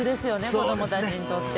子供たちにとっても。